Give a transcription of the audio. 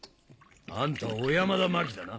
あんたは小山田マキだな？